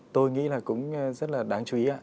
tôi nghĩ là cũng rất là đáng chú ý